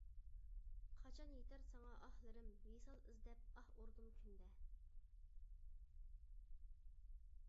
قاچان يېتەر ساڭا ئاھلىرىم، ۋىسال ئىزدەپ ئاھ ئۇردۇم كۈندە.